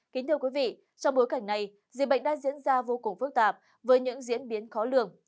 kính thưa quý vị trong bối cảnh này dịch bệnh đang diễn ra vô cùng phức tạp với những diễn biến khó lường